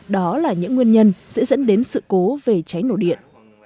đó là những nguyên nhân sẽ dẫn đến sự cố về cháy nổ điện